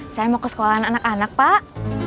saya mau ke sekolahan anak anak pak